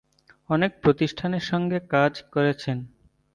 অনেক প্রতিষ্ঠানের সঙ্গে কাজ করেছেন।